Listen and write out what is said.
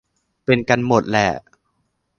เป็นกันหมดแหละ